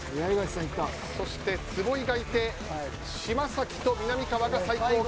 そして、坪井がいて嶋崎とみなみかわが最後方。